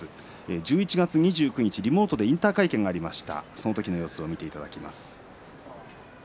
１１月２９日リモートで引退会見がありました。